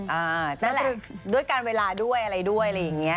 นั่นแหละด้วยการเวลาด้วยอะไรด้วยอะไรอย่างนี้